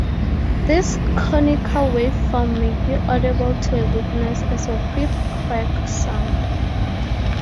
This conical waveform may be audible to a witness as a whip-crack sound.